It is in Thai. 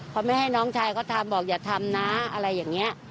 เขาไม่ให้น้องชายเขาทำบอกอย่าทำนะอะไรอย่างนี้